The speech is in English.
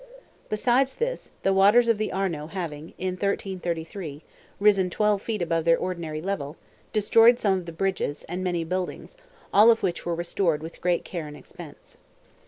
Besides this, the waters of the Arno having, in 1333, risen twelve feet above their ordinary level, destroyed some of the bridges and many buildings, all which were restored with great care and expense.